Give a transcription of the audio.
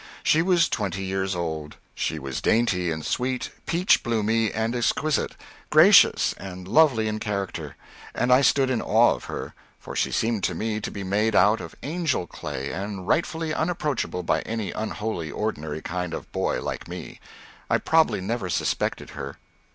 She was twenty years old; she was dainty and sweet, peach bloomy and exquisite, gracious and lovely in character, and I stood in awe of her, for she seemed to me to be made out of angel clay and rightfully unapproachable by an unholy ordinary kind of a boy like me. I probably never suspected her.